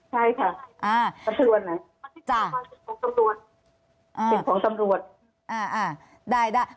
ใช่ค่ะอ่าบันทึกวันไหนจากสิ่งของสำรวจอ่าอ่าได้ได้